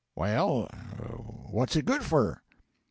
Well, what's he good for?'